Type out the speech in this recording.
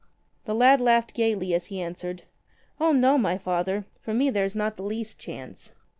The lad laughed gaily as he answered: "O no, my Father. For me there is not the least chance.